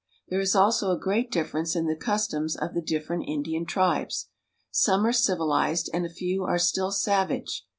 There is also a great difference in the customs of the different Indian tribes. Some are civilized, and a few are still savage.